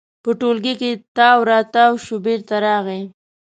په ټولګي کې تاو راتاو شو، بېرته راغی.